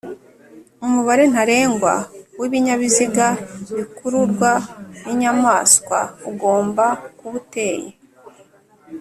Umubare ntarengwa w’ibinyabiziga bikururwa n’inyamaswa ugomba kuba uteye